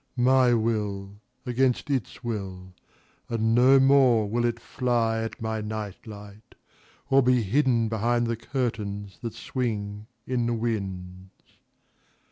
My will against its will, and no more will it fly at my night light or be hidden behind the curtains that swing in the winds.